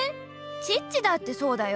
チッチだってそうだよ。